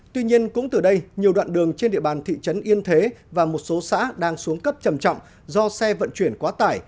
tuy nhiên cũng từ đây nhiều đoạn đường trên địa bàn thị trấn yên thế và một số xã đang xuống cấp trầm trọng do xe vận chuyển quá tải